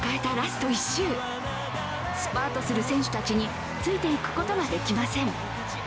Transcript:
スパートする選手たちについていくことができません。